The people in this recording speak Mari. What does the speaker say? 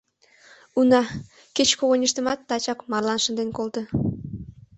Уна, кеч когыньыштымат тачак марлан шынден колто.